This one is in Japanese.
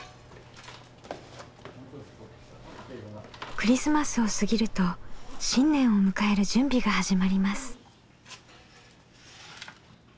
クリスマスを過ぎると新年を迎える準備が始まります。